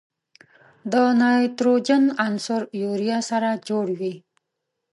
د نایتروجن عنصر یوریا سره جوړوي.